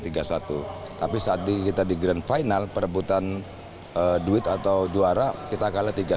tapi saat kita di grand final perebutan duit atau juara kita kalah tiga satu